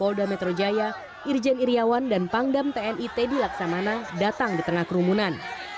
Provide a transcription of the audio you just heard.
polda metro jaya irjen iryawan dan pangdam tni teddy laksamana datang di tengah kerumunan